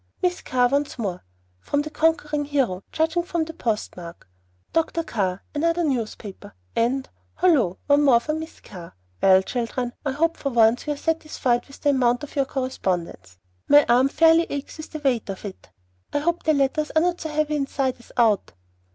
Miss Carr once more, from the conquering hero, judging from the post mark. Dr. Carr, another newspaper, and hollo! one more for Miss Carr. Well, children, I hope for once you are satisfied with the amount of your correspondence. My arm fairly aches with the weight of it. I hope the letters are not so heavy inside as out."